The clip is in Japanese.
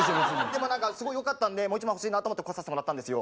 でも何かすごいよかったんでもう一枚欲しいなと思って来させてもらったんですよ。